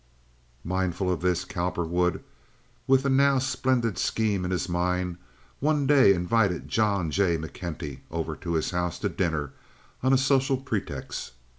Mindful of this, Cowperwood, with a now splendid scheme in his mind, one day invited John J. McKenty over to his house to dinner on a social pretext.